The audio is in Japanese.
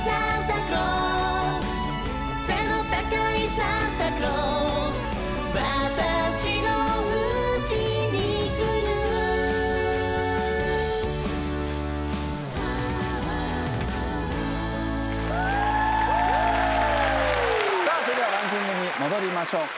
さぁそれではランキングに戻りましょう。